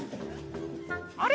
「あれ？